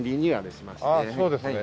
ああそうですね。